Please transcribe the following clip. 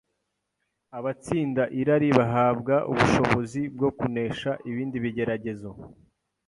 Abatsinda irari bahabwa ubushobozi bwo kunesha ibindi bigeragezo